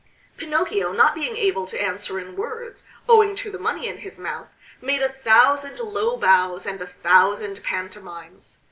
Pinocchio, not being able to answer in words, owing to the money in his mouth, made a thousand low bows and a thousand pantomimes.